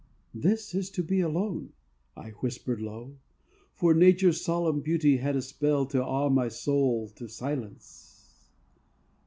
"This is to be alone!" I whispered low, For nature's solemn beauty had a spell To awe my soul to silence.